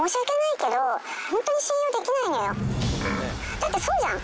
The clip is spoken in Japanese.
だってそうじゃん